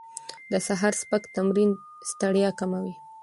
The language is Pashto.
د سهار سپک تمرین ستړیا کموي.